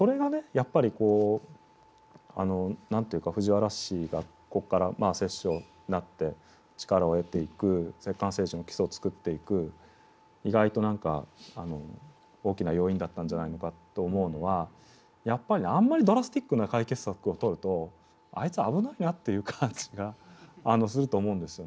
やっぱり何て言うか藤原氏がここから摂政になって力を得ていく摂関政治の基礎を作っていく意外と大きな要因だったんじゃないのかと思うのはやっぱりあんまりドラスティックな解決策を取るとあいつは危ないなっていう感じがすると思うんですよね。